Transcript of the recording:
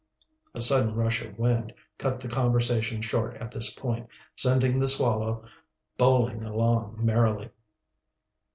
A sudden rush of wind cut the conversation short at this point, sending the Swallow bowling along merrily.